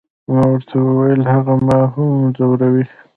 ما ورته وویل، هغه ما هم ځوروي.